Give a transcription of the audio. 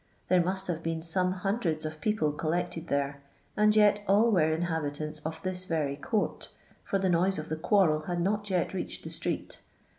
There must have been some hundreds of people collected there, and yet. all were .inhabitants of this very court, for the noise of the quarrel had not yet reached the street.